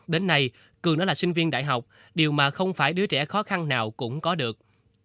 đến nay cường đã là sinh viên đại học điều mà không phải đứa trẻ khó khăn nào cũng có được